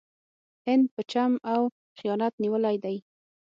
هند په چم او خیانت نیولی دی.